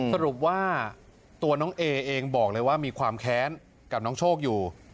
สรุปว่าตัวน้องเอเองบอกเลยว่ามีความแค้นกับน้องโชคอยู่